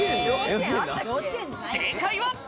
正解は？